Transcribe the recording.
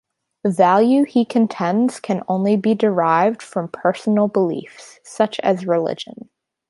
Value he contends can only be derived from personal beliefs such as religion.